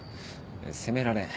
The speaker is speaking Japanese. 責められん。